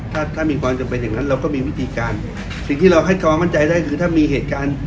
ถ้าถ้ามีความจำเป็นอย่างนั้นเราก็มีวิธีการสิ่งที่เราให้ความมั่นใจได้คือถ้ามีเหตุการณ์